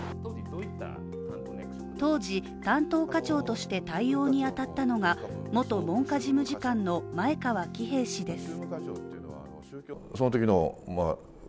当時、担当課長として対応に当たったのが元文科事務次官の前川喜平氏です。